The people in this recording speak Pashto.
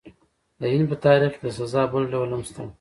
د هند په تاریخ کې د سزا بل ډول هم شته.